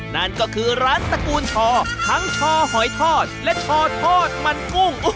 นั่นก็คือร้านตระกูลชอทั้งชอหอยทอดและชอทอดมันกุ้ง